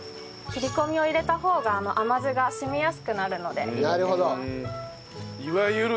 切り込みを入れた方が甘酢が染みやすくなるので入れてます。